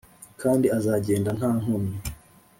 kandi azagenda nta nkomyi